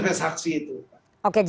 dari saksi itu